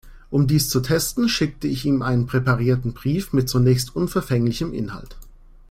Um dies zu testen, schickte ich ihm einen präparierten Brief mit zunächst unverfänglichem Inhalt.